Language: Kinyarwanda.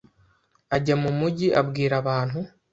ajya mu mugi abwira abantu